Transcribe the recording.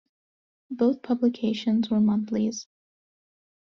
Both publications were monthlies.